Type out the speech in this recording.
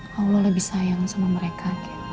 kalau lo lebih sayang sama mereka